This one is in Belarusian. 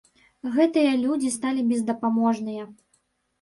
Гэтыя людзі сталі бездапаможныя.